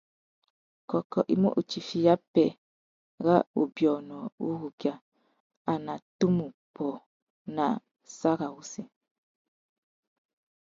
Kôkô i mú itiffiya pêh râ wubiônô wurukia a nà tumu pôt nà sarawussi.